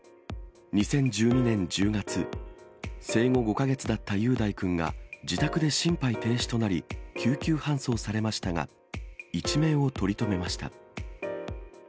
２０１２年１０月、生後５か月だった雄大君が自宅で心肺停止となり、救急搬送されましたが、一命を取り留めました。